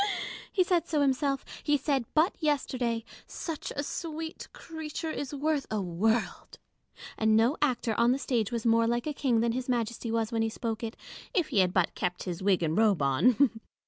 He said so himself : he said but yesterday —" Such a sweet creature is worth a world :" and no actor on the stage was more like a king than His Majesty was when he spoke it, if he had but kept his wig and robe on.